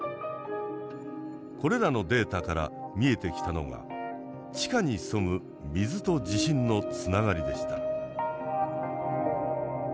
これらのデータから見えてきたのが地下に潜む水と地震のつながりでした。